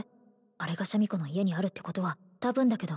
あれがシャミ子の家にあるってことはたぶんだけど